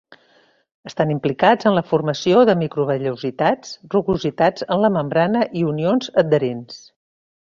Estan implicats en la formació de microvellositats, rugositats en la membrana i unions adherents.